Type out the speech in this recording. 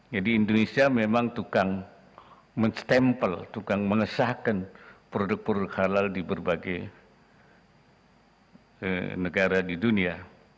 jadi indonesia memang tukang menstempel tukang mengesahkan produk produk halal di berbagai negara di dunia